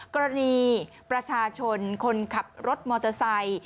กรณีประชาชนคนขับรถมอเตอร์ไซค์